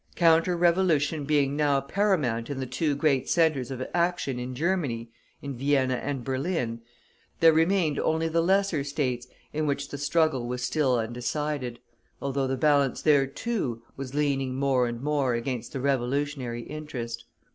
Counter revolution being now paramount in the two great centres of action in Germany, in Vienna and Berlin, there remained only the lesser States in which the struggle was still undecided, although the balance there, too, was leaning more and more against the revolutionary interest.